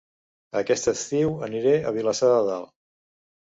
Aquest estiu aniré a Vilassar de Dalt